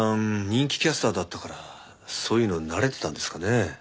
人気キャスターだったからそういうの慣れてたんですかね？